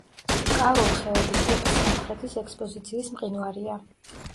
კარულ-ხეობის ტიპის სამხრეთის ექსპოზიციის მყინვარია.